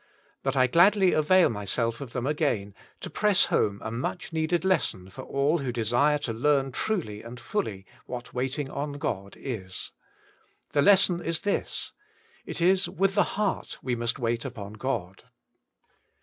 But I gladly avail myself of them again to press home a much needed lesson for all who desire to leam truly and fully what waiting on God is. The lesson is this : It is vMh the heart we must wait upon God.